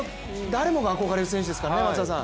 誰もが憧れる選手ですからね。